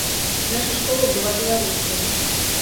Наша школа была беларуская.